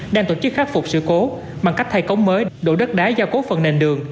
đang tổ chức khắc phục sự cố bằng cách thay cống mới đổ đất đá giao cố phần nền đường